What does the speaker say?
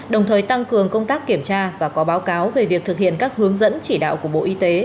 đồng thời tăng cường công tác kiểm tra và có báo cáo về việc thực hiện các hướng dẫn chỉ đạo của bộ y tế